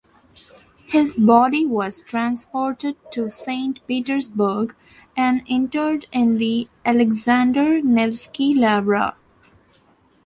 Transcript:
His body was transported to Saint Petersburg and interred in the Alexander Nevsky Lavra.